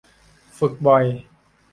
ฝึกบ่อย